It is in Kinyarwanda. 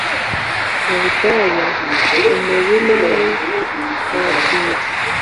Mu butayu, umurima we watinze